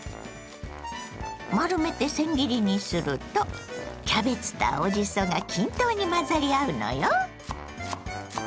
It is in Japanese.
丸めてせん切りにするとキャベツと青じそが均等に混ざり合うのよ。